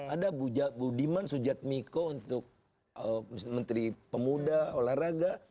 ada bu diman sujatmiko untuk menteri pemuda olahraga